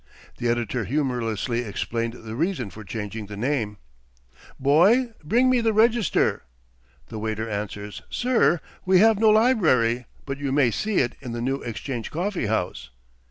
The editor humorously explained the reasons for changing the name: "'Boy, bring me the "Register."' The waiter answers, 'Sir, we have no library, but you may see it in the New Exchange Coffee House.'